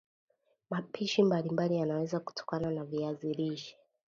Mapishi mbalimbali yanaweza kutokana na viazi lishe